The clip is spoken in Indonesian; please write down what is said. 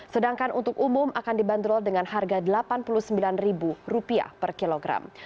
sedangkan untuk umum akan dibanderol dengan harga rp delapan puluh sembilan per kilogram